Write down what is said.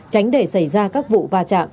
tránh để xảy ra các vụ va chạm